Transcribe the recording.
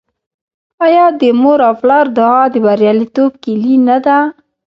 آیا د مور او پلار دعا د بریالیتوب کیلي نه ده؟